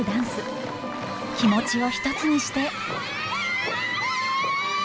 気持ちを一つにして。